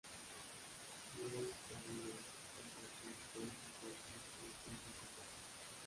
Louis Cardinals junto a su estelar Bob Gibson en siete juegos.